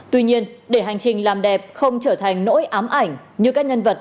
tuy nhiên để hành trình làm đẹp không trở thành nỗi ám ảnh như các nhân vật